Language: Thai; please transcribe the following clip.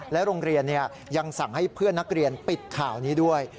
โรงเรียนยังสั่งให้เพื่อนนักเรียนปิดข่าวนี้ด้วย